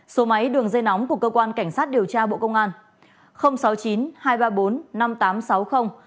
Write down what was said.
số máy đường dây nóng của cơ quan cảnh sát điều tra bộ công an